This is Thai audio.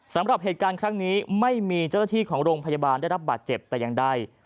สำหรับเหตุการณ์ครั้งนี้ไม่มีเจ้าหน้าที่ของโรงพยาบาลได้รับบาดเจ็บแต่อย่างใด